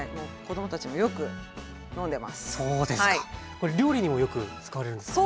これ料理にもよく使われるんですよね。